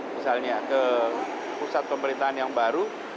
misalnya ke pusat pemerintahan yang baru